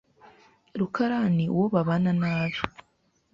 rukarani uwo babana nabi.